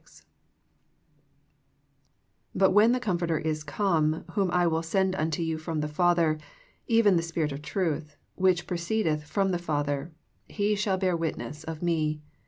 ^^But when the Comforter is come, whom I loill send unto you from the Father, even the Spirit of truth, which proceedeth from the Father, He shall bear witness of Me."